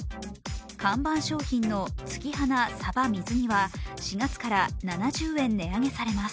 看板商品の月花さば水煮は４月から７０円値上げされます。